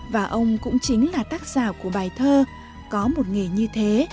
và ông cũng chính là tác giả của bài thơ có một nghề như thế